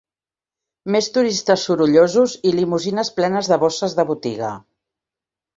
Més turistes sorollosos i limusines plenes de bosses de botiga.